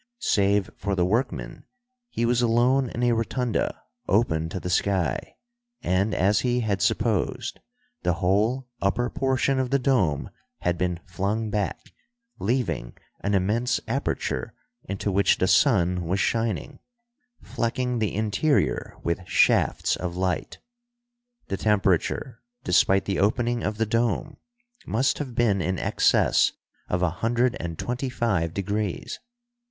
Save for the workman, he was alone in a rotunda, open to the sky, and, as he had supposed, the whole upper portion of the dome had been flung back, leaving an immense aperture into which the sun was shining, flecking the interior with shafts of light. The temperature, despite the opening of the dome, must have been in excess of a hundred and twenty five degrees.